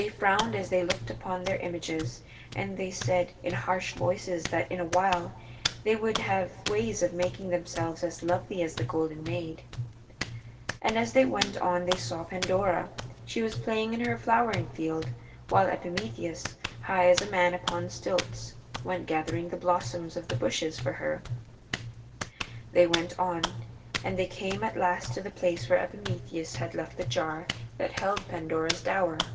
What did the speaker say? They frowned as they looked upon their images, and they said in harsh voices that in a while they would have ways of making themselves as lovely as the Golden Maid. And as they went on they saw Pandora. She was playing in a flowering field, while Epimetheus, high as a man upon stilts, went gathering the blossoms of the bushes for her. They went on, and they came at last to the place where Epimetheus had left the jar that held Pandora's dower.